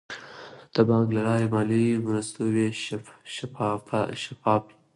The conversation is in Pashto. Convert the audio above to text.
د بانک له لارې د مالي مرستو ویش شفاف وي.